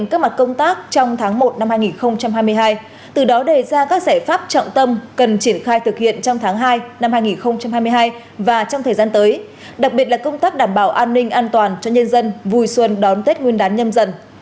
và trong thời gian tới đặc biệt là công tác đảm bảo an ninh an toàn cho nhân dân vùi xuân đón tết nguyên đán nhâm dần